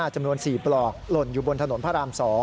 จำนวน๔ปลอกหล่นอยู่บนถนนพระราม๒